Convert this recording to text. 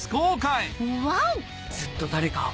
ずっと誰かを。